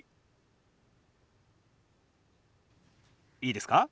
いいですか？